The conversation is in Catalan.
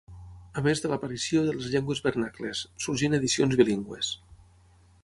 A més de l'aparició de les llengües vernacles, sorgint edicions bilingües.